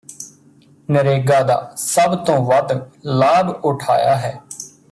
ਨਰੇਗਾ ਦਾ ਸਭ ਤੋਂ ਵੱਧ ਲਾਭ ਉਠਾਇਆ ਹੈ